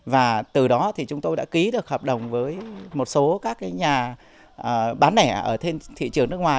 và từ đó chúng tôi đã ký được hợp đồng với một số các nhà bán nẻ ở thị trường nước ngoài